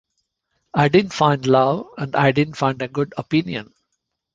I didn't find love and I didn't find a good opinion.